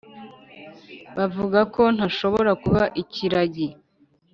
bavuga ko ntashobora kuba ikiragi.